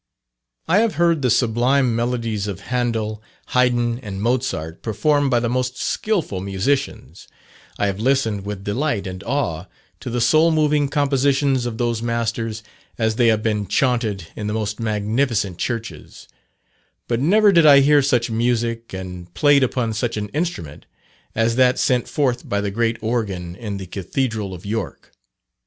I have heard the sublime melodies of Handel, Hayden, and Mozart, performed by the most skilful musicians; I have listened with delight and awe to the soul moving compositions of those masters, as they have been chaunted in the most magnificent churches; but never did I hear such music, and played upon such an instrument, as that sent forth by the great organ in the Cathedral of York.